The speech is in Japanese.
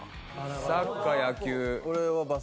サッカー野球。